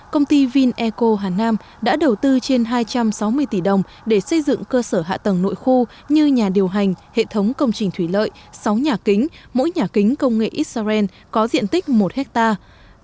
công ty vineco hà nam đã đầu tư trên hai trăm sáu mươi tỷ đồng để xây dựng cơ sở hạ tầng nội khu như nhà điều hành hệ thống công trình thủy lợi sáu nhà kính mỗi nhà kính công nghệ israel có diện tích một hectare